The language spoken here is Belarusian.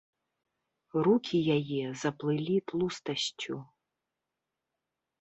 Рукі яе заплылі тлустасцю.